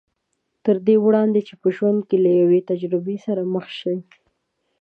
تر دې وړاندې چې په ژوند کې له يوې تجربې سره مخ شي.